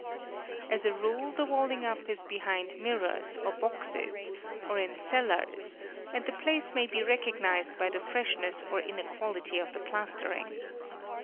Asa rule the walling up is behind mirrors, or boxes, or in cellars, and the place may be recognised by the freshness or inequality of the plastering.